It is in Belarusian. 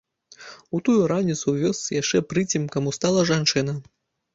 У тую раніцу ў вёсцы яшчэ прыцемкам устала жанчына.